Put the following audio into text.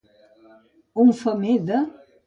Un femer de.